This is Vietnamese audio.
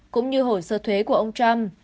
cũng như hội sơ thuế của ông trump